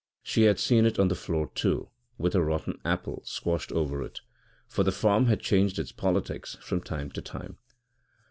She had seen it on the floor too, with a rotten apple squashed over it, for the farm had changed its politics from time to time.